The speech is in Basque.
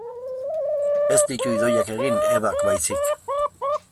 Ez ditu Idoiak egin, Ebak baizik.